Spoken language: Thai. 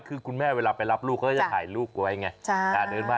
คือคุณแม่เวลาไปรับลูกเขาจะถ่ายรูปไว้ไง